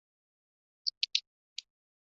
三者的等级排序不同。